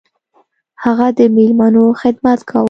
هغه د میلمنو خدمت کاوه.